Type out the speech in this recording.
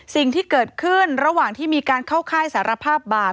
สิ่งที่เกิดขึ้นระหว่างที่มีการเข้าค่ายสารภาพบาป